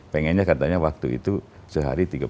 pengennya waktu itu sehari tiga puluh empat jam